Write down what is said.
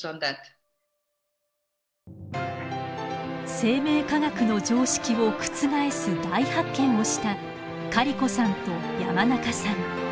生命科学の常識を覆す大発見をしたカリコさんと山中さん。